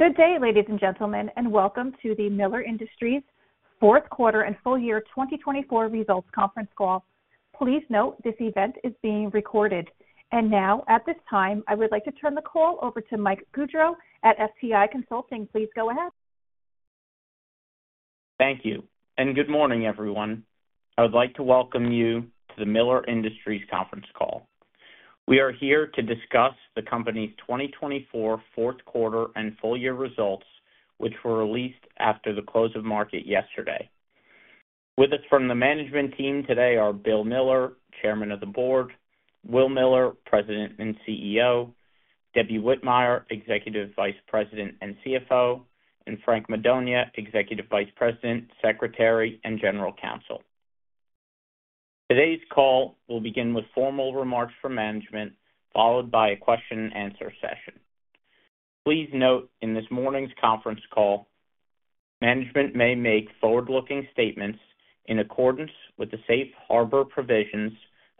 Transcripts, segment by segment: Good day, ladies and gentlemen, and welcome to the Miller Industries Fourth Quarter and Full Year 2024 Results Conference Call. Please note this event is being recorded. At this time, I would like to turn the call over to Mike Gaudreau at FTI Consulting. Please go ahead. Thank you, and good morning, everyone. I would like to welcome you to the Miller Industries Conference Call. We are here to discuss the company's 2024 fourth quarter and full year results, which were released after the close of market yesterday. With us from the management team today are Bill Miller, Chairman of the Board; Will Miller, President and CEO; Debbie Whitmire, Executive Vice President and CFO; and Frank Madonia, Executive Vice President, Secretary, and General Counsel. Today's call will begin with formal remarks from management, followed by a question-and-answer session. Please note in this morning's conference call, management may make forward-looking statements in accordance with the safe harbor provisions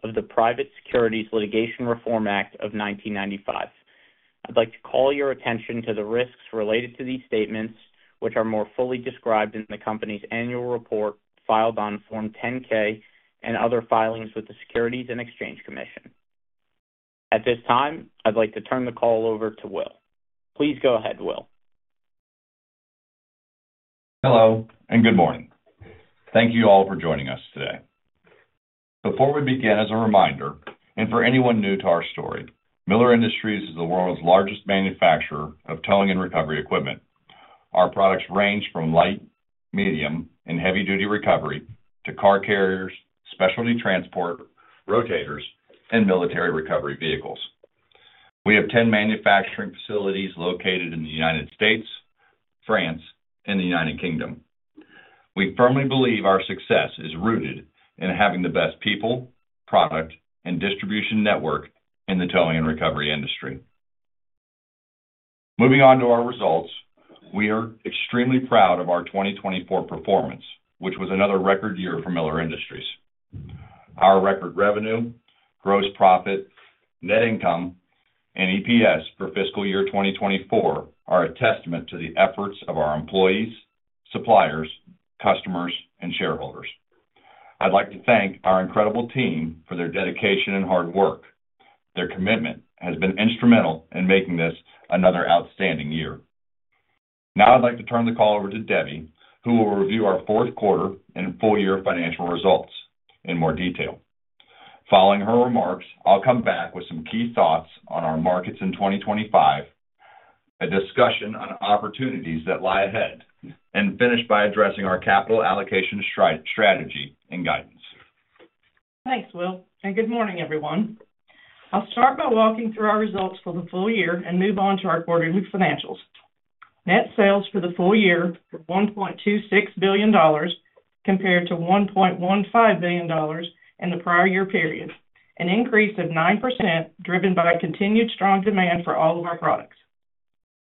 of the Private Securities Litigation Reform Act of 1995.I'd like to call your attention to the risks related to these statements, which are more fully described in the company's annual report filed on Form 10-K and other filings with the Securities and Exchange Commission. At this time, I'd like to turn the call over to Will. Please go ahead, Will. Hello, and good morning. Thank you all for joining us today. Before we begin, as a reminder, and for anyone new to our story, Miller Industries is the world's largest manufacturer of towing and recovery equipment. Our products range from light, medium, and heavy-duty recovery to car carriers, specialty transport, rotators, and military recovery vehicles. We have 10 manufacturing facilities located in the United States, France, and the United Kingdom. We firmly believe our success is rooted in having the best people, product, and distribution network in the towing and recovery industry. Moving on to our results, we are extremely proud of our 2024 performance, which was another record year for Miller Industries. Our record revenue, gross profit, net income, and EPS for fiscal year 2024 are a testament to the efforts of our employees, suppliers, customers, and shareholders. I'd like to thank our incredible team for their dedication and hard work. Their commitment has been instrumental in making this another outstanding year. Now, I'd like to turn the call over to Debbie, who will review our fourth quarter and full year financial results in more detail. Following her remarks, I'll come back with some key thoughts on our markets in 2025, a discussion on opportunities that lie ahead, and finish by addressing our capital allocation strategy and guidance. Thanks, Will, and good morning, everyone. I'll start by walking through our results for the full year and move on to our quarterly financials. Net sales for the full year were $1.26 billion compared to $1.15 billion in the prior year period, an increase of 9% driven by continued strong demand for all of our products.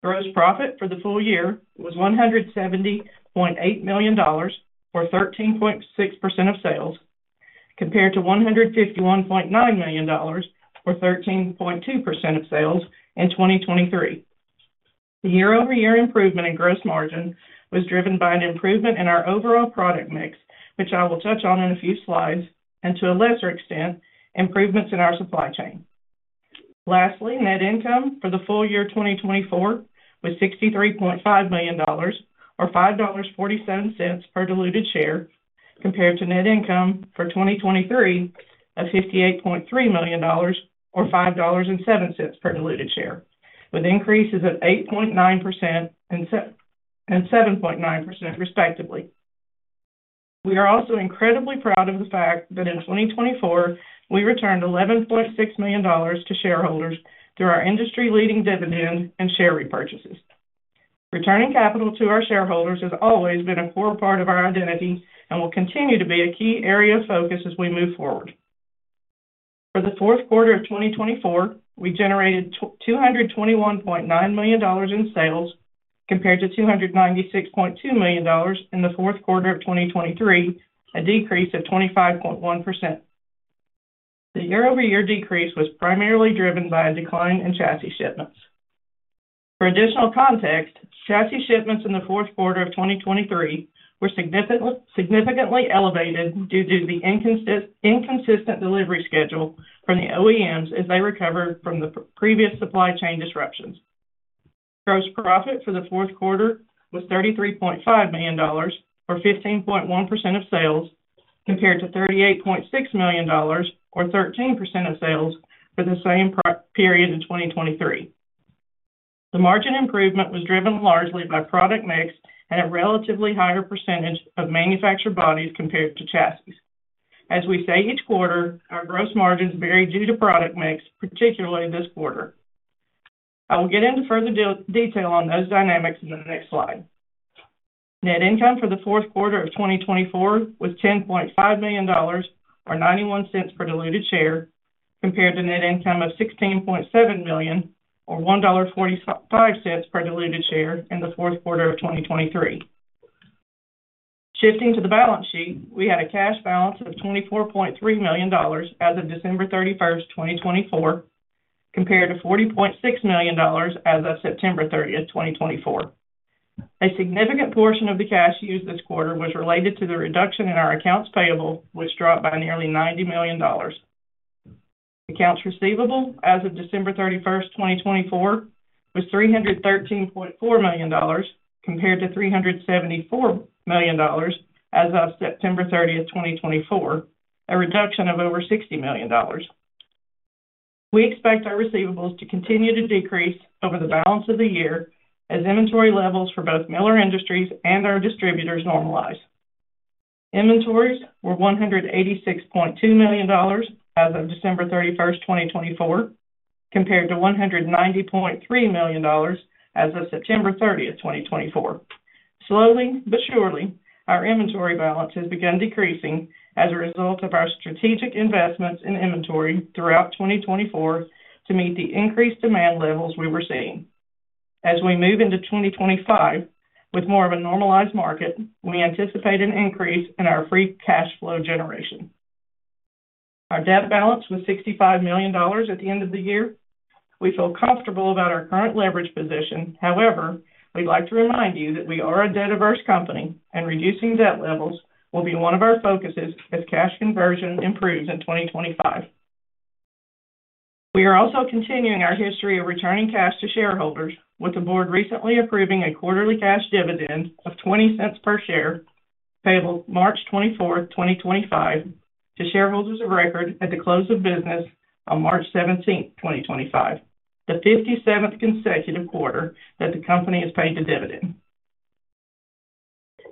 Gross profit for the full year was $170.8 million, or 13.6% of sales, compared to $151.9 million, or 13.2% of sales in 2023. The year-over-year improvement in gross margin was driven by an improvement in our overall product mix, which I will touch on in a few slides, and to a lesser extent, improvements in our supply chain. Lastly, net income for the full year 2024 was $63.5 million, or $5.47 per diluted share, compared to net income for 2023 of $58.3 million, or $5.07 per diluted share, with increases of 8.9% and 7.9%, respectively. We are also incredibly proud of the fact that in 2024, we returned $11.6 million to shareholders through our industry-leading dividend and share repurchases. Returning capital to our shareholders has always been a core part of our identity and will continue to be a key area of focus as we move forward. For the fourth quarter of 2024, we generated $221.9 million in sales compared to $296.2 million in the fourth quarter of 2023, a decrease of 25.1%. The year-over-year decrease was primarily driven by a decline in chassis shipments. For additional context, chassis shipments in the fourth quarter of 2023 were significantly elevated due to the inconsistent delivery schedule from the OEMs as they recovered from the previous supply chain disruptions. Gross profit for the fourth quarter was $33.5 million, or 15.1% of sales, compared to $38.6 million, or 13% of sales, for the same period in 2023. The margin improvement was driven largely by product mix and a relatively higher percentage of manufactured bodies compared to chassis. As we say each quarter, our gross margins vary due to product mix, particularly this quarter. I will get into further detail on those dynamics in the next slide. Net income for the fourth quarter of 2024 was $10.5 million, or $0.91 per diluted share, compared to net income of $16.7 million, or $1.45 per diluted share in the fourth quarter of 2023. Shifting to the balance sheet, we had a cash balance of $24.3 million as of December 31, 2024, compared to $40.6 million as of September 30, 2024. A significant portion of the cash used this quarter was related to the reduction in our accounts payable, which dropped by nearly $90 million. Accounts receivable as of December 31, 2024, was $313.4 million, compared to $374 million as of September 30, 2024, a reduction of over $60 million. We expect our receivables to continue to decrease over the balance of the year as inventory levels for both Miller Industries and our distributors normalize. Inventories were $186.2 million as of December 31, 2024, compared to $190.3 million as of September 30, 2024. Slowly but surely, our inventory balance has begun decreasing as a result of our strategic investments in inventory throughout 2024 to meet the increased demand levels we were seeing. As we move into 2025 with more of a normalized market, we anticipate an increase in our free cash flow generation. Our debt balance was $65 million at the end of the year. We feel comfortable about our current leverage position. However, we'd like to remind you that we are a debt-averse company, and reducing debt levels will be one of our focuses as cash conversion improves in 2025. We are also continuing our history of returning cash to shareholders, with the Board recently approving a quarterly cash dividend of $0.20 per share payable March 24, 2025, to shareholders of record at the close of business on March 17, 2025, the 57th consecutive quarter that the company has paid the dividend.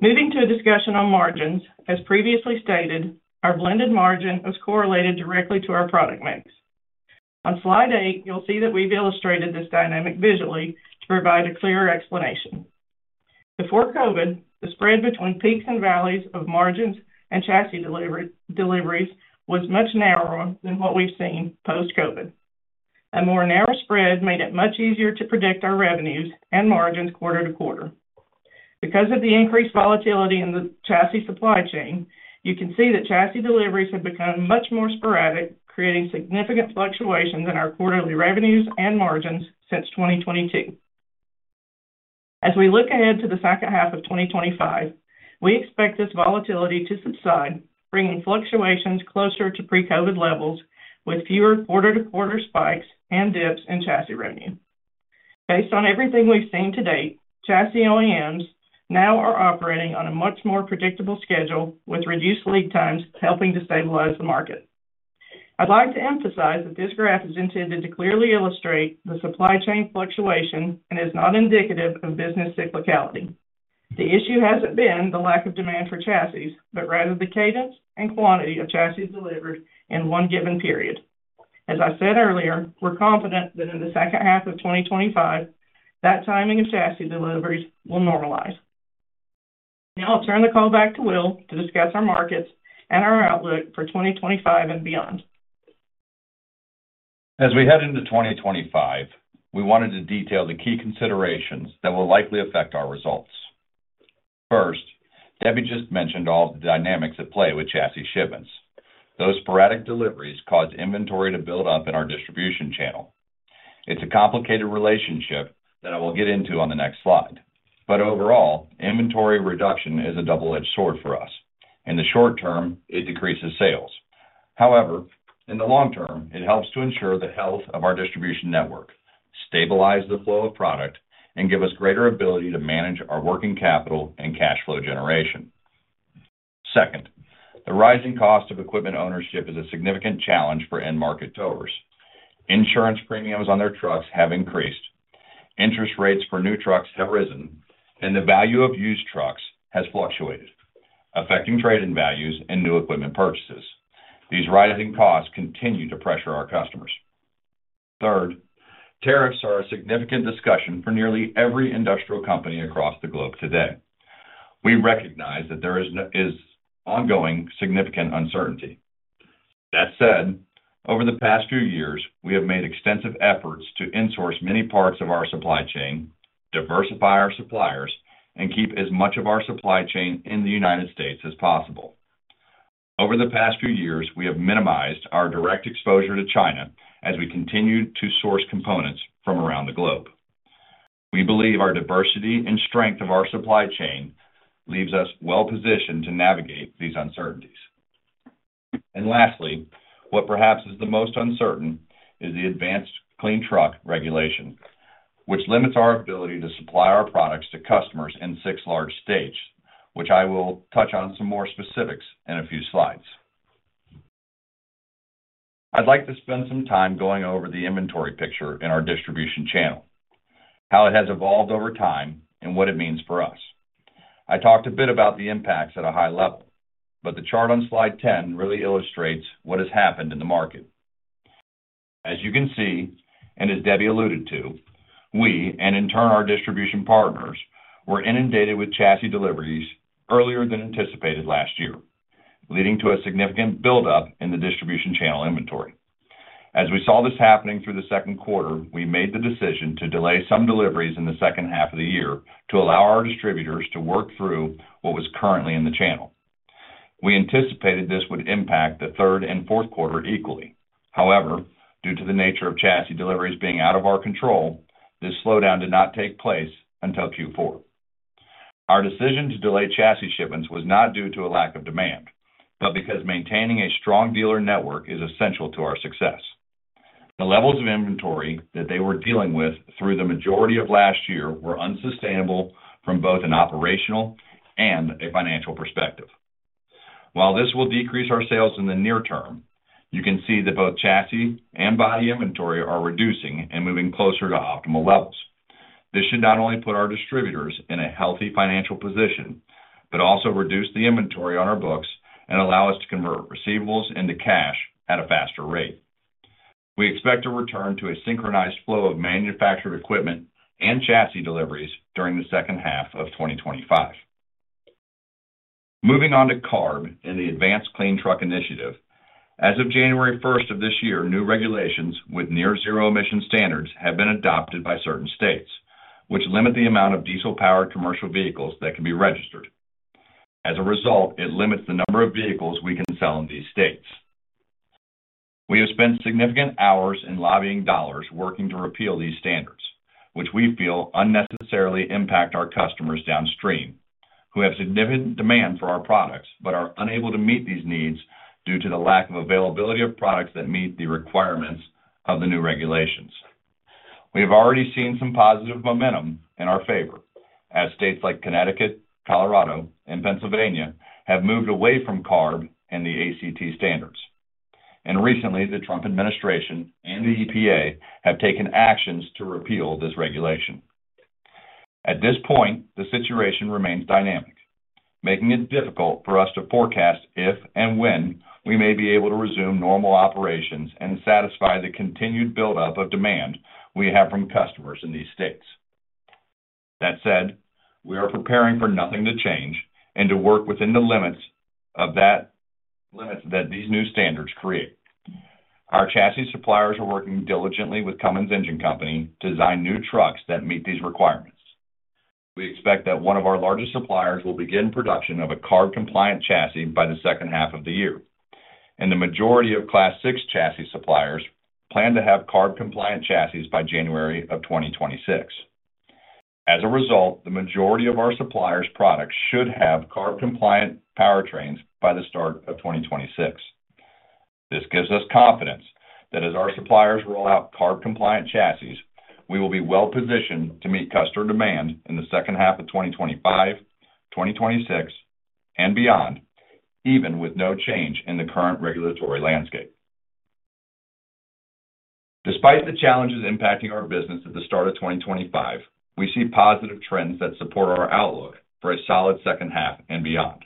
Moving to a discussion on margins, as previously stated, our blended margin was correlated directly to our product mix. On slide eight, you'll see that we've illustrated this dynamic visually to provide a clearer explanation. Before COVID, the spread between peaks and valleys of margins and chassis deliveries was much narrower than what we've seen post-COVID. A more narrow spread made it much easier to predict our revenues and margins quarter to quarter. Because of the increased volatility in the chassis supply chain, you can see that chassis deliveries have become much more sporadic, creating significant fluctuation in our quarterly revenues and margins since 2022. As we look ahead to the second half of 2025, we expect this volatility to subside, bringing fluctuations closer to pre-COVID levels with fewer quarter-to-quarter spikes and dips in chassis revenue. Based on everything we've seen to date, chassis OEMs now are operating on a much more predictable schedule, with reduced lead times helping to stabilize the market. I'd like to emphasize that this graph is intended to clearly illustrate the supply chain fluctuation and is not indicative of business cyclicality. The issue hasn't been the lack of demand for chassis, but rather the cadence and quantity of chassis delivered in one given period. As I said earlier, we're confident that in the second half of 2025, that timing of chassis deliveries will normalize. Now, I'll turn the call back to Will to discuss our markets and our outlook for 2025 and beyond. As we head into 2025, we wanted to detail the key considerations that will likely affect our results. First, Debbie just mentioned all the dynamics at play with chassis shipments. Those sporadic deliveries cause inventory to build up in our distribution channel. It is a complicated relationship that I will get into on the next slide. Overall, inventory reduction is a double-edged sword for us. In the short term, it decreases sales. However, in the long term, it helps to ensure the health of our distribution network, stabilize the flow of product, and give us greater ability to manage our working capital and cash flow generation. Second, the rising cost of equipment ownership is a significant challenge for end-market towers. Insurance premiums on their trucks have increased, interest rates for new trucks have risen, and the value of used trucks has fluctuated, affecting trade-in values and new equipment purchases. These rising costs continue to pressure our customers. Third, tariffs are a significant discussion for nearly every industrial company across the globe today. We recognize that there is ongoing significant uncertainty. That said, over the past few years, we have made extensive efforts to insource many parts of our supply chain, diversify our suppliers, and keep as much of our supply chain in the United States as possible. Over the past few years, we have minimized our direct exposure to China as we continue to source components from around the globe. We believe our diversity and strength of our supply chain leaves us well-positioned to navigate these uncertainties. Lastly, what perhaps is the most uncertain is the Advanced Clean Trucks regulation, which limits our ability to supply our products to customers in six large states, which I will touch on some more specifics in a few slides. I'd like to spend some time going over the inventory picture in our distribution channel, how it has evolved over time, and what it means for us. I talked a bit about the impacts at a high level, but the chart on slide 10 really illustrates what has happened in the market. As you can see, and as Debbie alluded to, we, and in turn our distribution partners, were inundated with chassis deliveries earlier than anticipated last year, leading to a significant build-up in the distribution channel inventory. As we saw this happening through the second quarter, we made the decision to delay some deliveries in the second half of the year to allow our distributors to work through what was currently in the channel. We anticipated this would impact the third and fourth quarter equally. However, due to the nature of chassis deliveries being out of our control, this slowdown did not take place until Q4. Our decision to delay chassis shipments was not due to a lack of demand, but because maintaining a strong dealer network is essential to our success. The levels of inventory that they were dealing with through the majority of last year were unsustainable from both an operational and a financial perspective. While this will decrease our sales in the near term, you can see that both chassis and body inventory are reducing and moving closer to optimal levels. This should not only put our distributors in a healthy financial position, but also reduce the inventory on our books and allow us to convert receivables into cash at a faster rate. We expect to return to a synchronized flow of manufactured equipment and chassis deliveries during the second half of 2025. Moving on to CARB and the Advanced Clean Truck initiative, as of January 1 of this year, new regulations with near-zero emission standards have been adopted by certain states, which limit the amount of diesel-powered commercial vehicles that can be registered. As a result, it limits the number of vehicles we can sell in these states. We have spent significant hours in lobbying dollars working to repeal these standards, which we feel unnecessarily impact our customers downstream, who have significant demand for our products but are unable to meet these needs due to the lack of availability of products that meet the requirements of the new regulations. We have already seen some positive momentum in our favor as states like Connecticut, Colorado, and Pennsylvania have moved away from CARB and the ACT standards. Recently, the Trump administration and the EPA have taken actions to repeal this regulation. At this point, the situation remains dynamic, making it difficult for us to forecast if and when we may be able to resume normal operations and satisfy the continued build-up of demand we have from customers in these states. That said, we are preparing for nothing to change and to work within the limits that these new standards create. Our chassis suppliers are working diligently with Cummins Engine Company to design new trucks that meet these requirements. We expect that one of our largest suppliers will begin production of a CARB-compliant chassis by the second half of the year. The majority of Class 6 chassis suppliers plan to have CARB-compliant chassis by January of 2026. As a result, the majority of our suppliers' products should have CARB-compliant powertrains by the start of 2026. This gives us confidence that as our suppliers roll out CARB-compliant chassis, we will be well-positioned to meet customer demand in the second half of 2025, 2026, and beyond, even with no change in the current regulatory landscape. Despite the challenges impacting our business at the start of 2025, we see positive trends that support our outlook for a solid second half and beyond.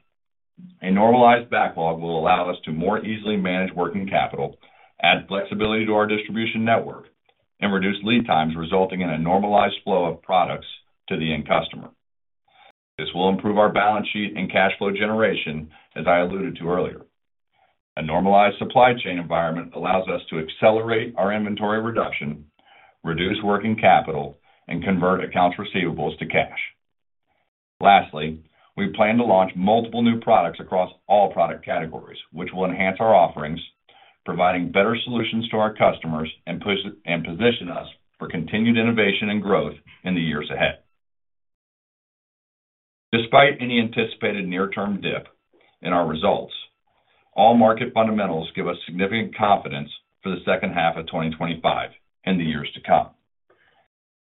A normalized backlog will allow us to more easily manage working capital, add flexibility to our distribution network, and reduce lead times, resulting in a normalized flow of products to the end customer. This will improve our balance sheet and cash flow generation, as I alluded to earlier. A normalized supply chain environment allows us to accelerate our inventory reduction, reduce working capital, and convert accounts receivables to cash. Lastly, we plan to launch multiple new products across all product categories, which will enhance our offerings, providing better solutions to our customers, and position us for continued innovation and growth in the years ahead. Despite any anticipated near-term dip in our results, all market fundamentals give us significant confidence for the second half of 2025 and the years to come.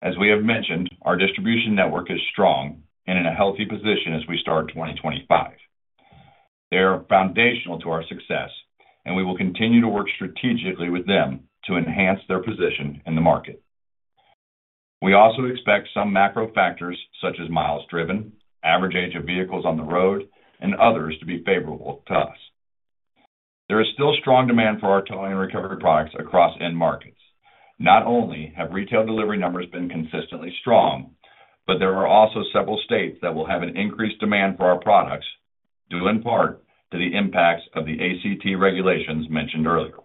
As we have mentioned, our distribution network is strong and in a healthy position as we start 2025. They are foundational to our success, and we will continue to work strategically with them to enhance their position in the market. We also expect some macro factors such as miles driven, average age of vehicles on the road, and others to be favorable to us. There is still strong demand for our towing and recovery products across end markets. Not only have retail delivery numbers been consistently strong, but there are also several states that will have an increased demand for our products due in part to the impacts of the ACT regulations mentioned earlier.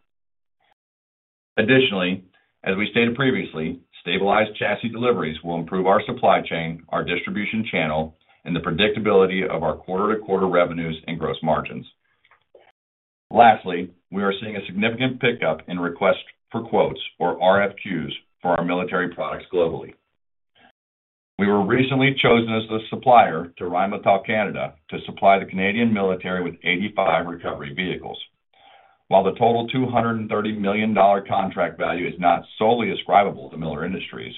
Additionally, as we stated previously, stabilized chassis deliveries will improve our supply chain, our distribution channel, and the predictability of our quarter-to-quarter revenues and gross margins. Lastly, we are seeing a significant pickup in requests for quotes, or RFQs, for our military products globally. We were recently chosen as the supplier to Rheinmetall Canada to supply the Canadian military with 85 recovery vehicles. While the total $230 million contract value is not solely ascribable to Miller Industries,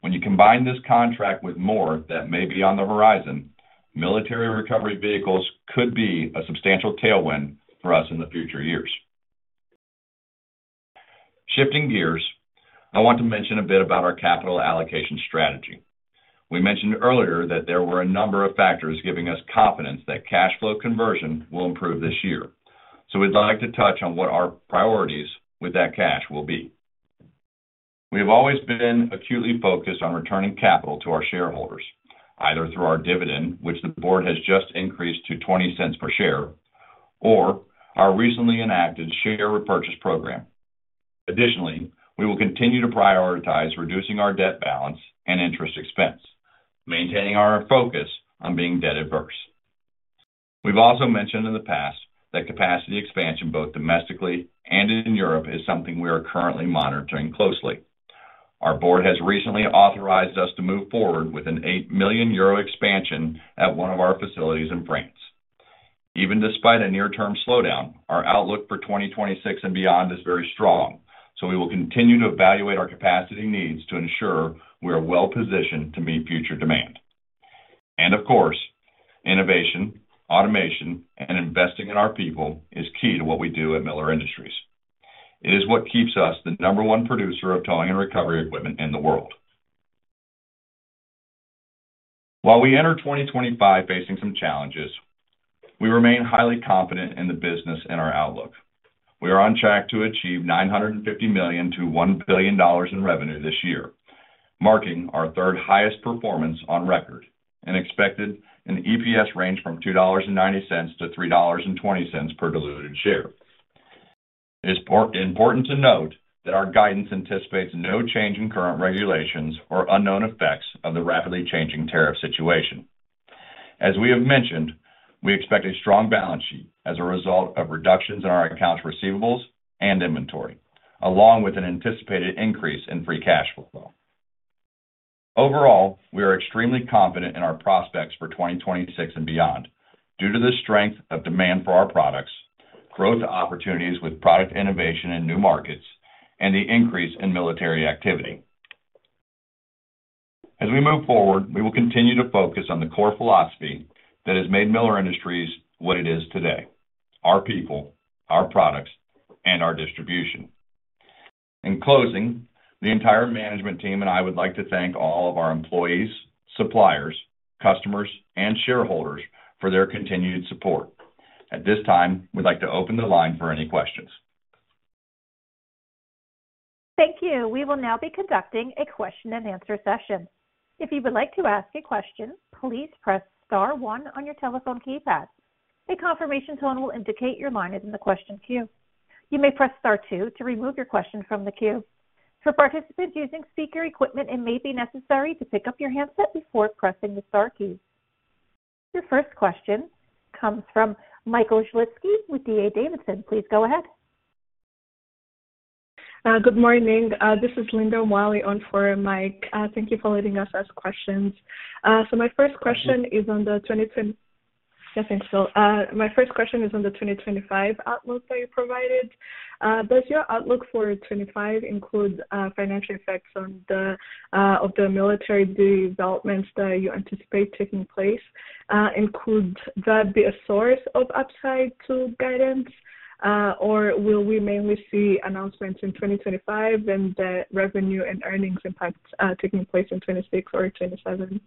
when you combine this contract with more that may be on the horizon, military recovery vehicles could be a substantial tailwind for us in the future years. Shifting gears, I want to mention a bit about our capital allocation strategy. We mentioned earlier that there were a number of factors giving us confidence that cash flow conversion will improve this year. We would like to touch on what our priorities with that cash will be. We have always been acutely focused on returning capital to our shareholders, either through our dividend, which the Board has just increased to $0.20 per share, or our recently enacted share repurchase program. Additionally, we will continue to prioritize reducing our debt balance and interest expense, maintaining our focus on being debt-averse. have also mentioned in the past that capacity expansion both domestically and in Europe is something we are currently monitoring closely. Our Board has recently authorized us to move forward with an 8 million euro expansion at one of our facilities in France. Even despite a near-term slowdown, our outlook for 2026 and beyond is very strong. We will continue to evaluate our capacity needs to ensure we are well-positioned to meet future demand. Of course, innovation, automation, and investing in our people is key to what we do at Miller Industries. It is what keeps us the number one producer of towing and recovery equipment in the world. While we enter 2025 facing some challenges, we remain highly confident in the business and our outlook. We are on track to achieve $950 million-$1 billion in revenue this year, marking our third highest performance on record and expected an EPS range from $2.90-$3.20 per diluted share. It is important to note that our guidance anticipates no change in current regulations or unknown effects of the rapidly changing tariff situation. As we have mentioned, we expect a strong balance sheet as a result of reductions in our accounts receivable and inventory, along with an anticipated increase in free cash flow. Overall, we are extremely confident in our prospects for 2026 and beyond due to the strength of demand for our products, growth opportunities with product innovation in new markets, and the increase in military activity. As we move forward, we will continue to focus on the core philosophy that has made Miller Industries what it is today: our people, our products, and our distribution. In closing, the entire management team and I would like to thank all of our employees, suppliers, customers, and shareholders for their continued support. At this time, we'd like to open the line for any questions. Thank you. We will now be conducting a question-and-answer session. If you would like to ask a question, please press Star one on your telephone keypad. A confirmation tone will indicate your line is in the question queue. You may press Star two to remove your question from the queue. For participants using speaker equipment, it may be necessary to pick up your handset before pressing the Star keys. Your first question comes from Michael Salinsky with D.A. Davidson. Please go ahead. Good morning. This is Linda Umwali on for Mike. Thank you for letting us ask questions. My first question is on the 2025 outlook that you provided. Does your outlook for 2025 include financial effects on the military developments that you anticipate taking place? Could that be a source of upside to guidance, or will we mainly see announcements in 2025 and the revenue and earnings impact taking place in 2026 or 2027?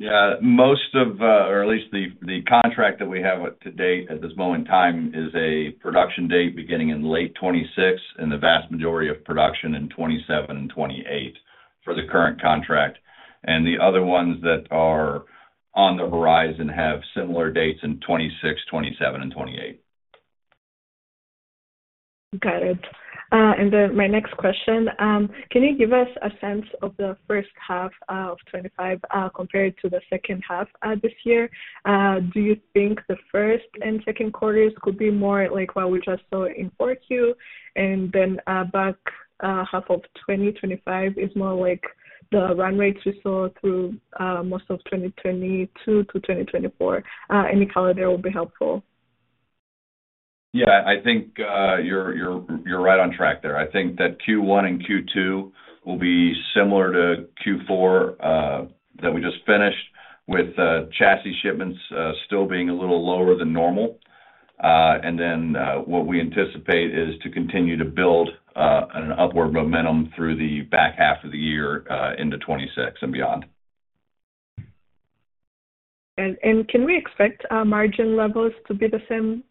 Yeah. Most of, or at least the contract that we have to date at this moment in time is a production date beginning in late 2026, and the vast majority of production in 2027 and 2028 for the current contract. The other ones that are on the horizon have similar dates in 2026, 2027, and 2028. Got it. My next question, can you give us a sense of the first half of 2025 compared to the second half this year? Do you think the first and second quarters could be more like what we just saw in Q4, and then back half of 2025 is more like the run rates we saw through most of 2022 to 2024? Any calendar will be helpful. Yeah. I think you're right on track there. I think that Q1 and Q2 will be similar to Q4 that we just finished, with chassis shipments still being a little lower than normal. What we anticipate is to continue to build an upward momentum through the back half of the year into 2026 and beyond. Can we expect margin levels to be the same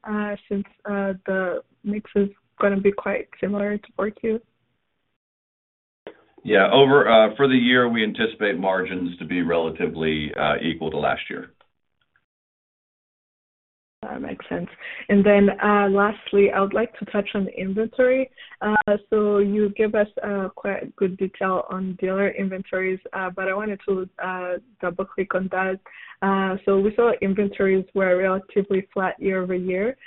since the mix is going to be quite similar to Q4? Yeah. For the year, we anticipate margins to be relatively equal to last year. That makes sense. Lastly, I would like to touch on inventory. You gave us quite good detail on dealer inventories, but I wanted to double-click on that. We saw inventories were relatively flat year over year.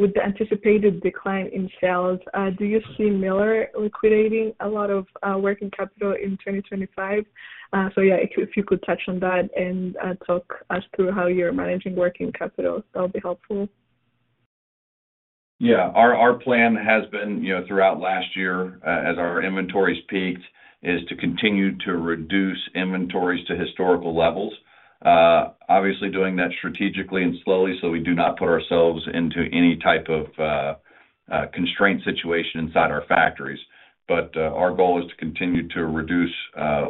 With the anticipated decline in sales, do you see Miller liquidating a lot of working capital in 2025? If you could touch on that and talk us through how you're managing working capital, that would be helpful. Yeah. Our plan has been throughout last year, as our inventories peaked, is to continue to reduce inventories to historical levels. Obviously, doing that strategically and slowly so we do not put ourselves into any type of constraint situation inside our factories. Our goal is to continue to reduce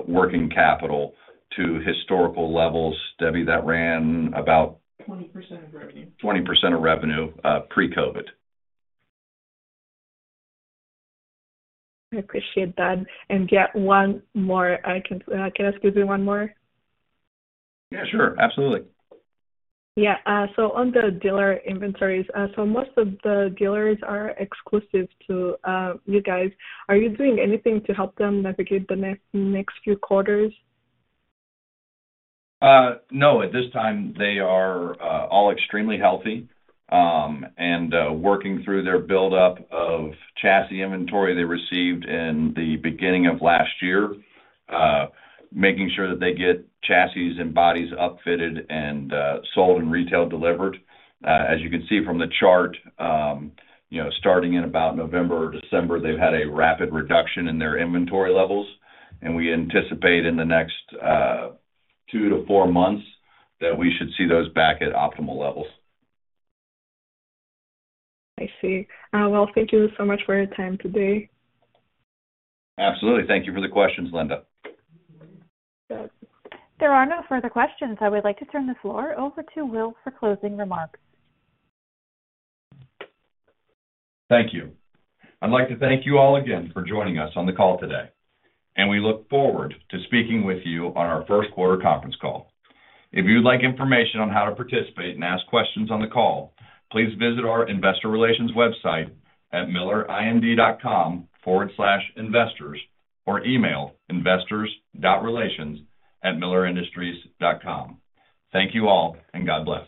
working capital to historical levels. Debbie, that ran about 20% of revenue. 20% of revenue pre-COVID. I appreciate that. Yeah, one more. Can I ask you one more? Yeah, sure. Absolutely. Yeah. On the dealer inventories, most of the dealers are exclusive to you guys. Are you doing anything to help them navigate the next few quarters? No. At this time, they are all extremely healthy and working through their build-up of chassis inventory they received in the beginning of last year, making sure that they get chassis and bodies upfitted and sold and retail delivered. As you can see from the chart, starting in about November or December, they have had a rapid reduction in their inventory levels. We anticipate in the next two to four months that we should see those back at optimal levels. I see. Thank you so much for your time today. Absolutely. Thank you for the questions, Linda. There are no further questions. I would like to turn the floor over to Will for closing remarks. Thank you. I'd like to thank you all again for joining us on the call today. We look forward to speaking with you on our first quarter conference call. If you'd like information on how to participate and ask questions on the call, please visit our investor relations website at millerind.com/investors or email investorrelations@millerind.com. Thank you all, and God bless.